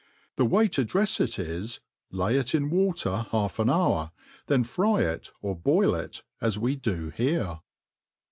The way to drefs it \s^ lay ic in water half an hour, then fry it or . boil it as we do here.